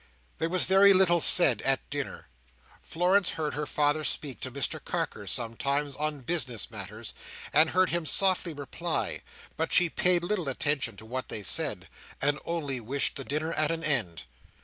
There was very little said at dinner. Florence heard her father speak to Mr Carker sometimes on business matters, and heard him softly reply, but she paid little attention to what they said, and only wished the dinner at an end.